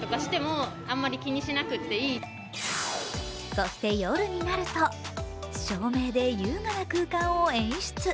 そして夜になると、照明で優雅な空間を演出。